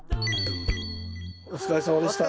お疲れさまでした。